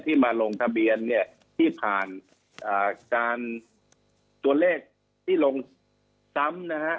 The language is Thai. มาลงทะเบียนเนี่ยที่ผ่านการตัวเลขที่ลงซ้ำนะฮะ